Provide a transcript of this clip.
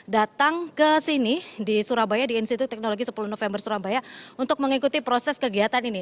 datang ke sini di surabaya di institut teknologi sepuluh november surabaya untuk mengikuti proses kegiatan ini